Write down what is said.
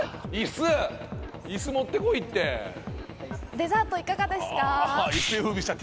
デザートいかがですか？